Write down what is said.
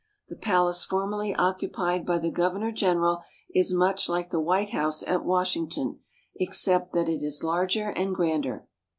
The palace formerly occupied by the Governor general is much like the White House at Washington, except that it is larger and grander.